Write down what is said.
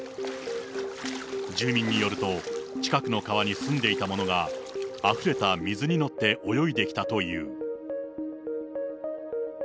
住民によると、近くの川に住んでいたものが、あふれた水に乗って泳いできたという。